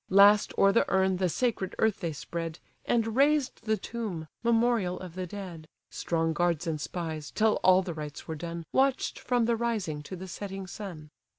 Last o'er the urn the sacred earth they spread, And raised the tomb, memorial of the dead. (Strong guards and spies, till all the rites were done, Watch'd from the rising to the setting sun.)